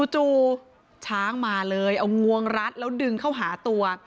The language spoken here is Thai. จู่ช้างมาเลยเอางวงรัดแล้วดึงเข้าหาตัว